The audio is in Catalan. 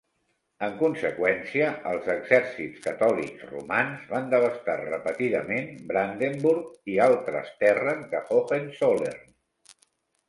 En conseqüència, els exèrcits catòlics romans van devastar repetidament Brandenburg i altres terres de Hohenzollern.